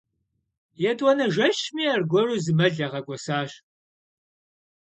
Етӏуанэ жэщми аргуэру и зы мэл ягъэкӏуэсащ.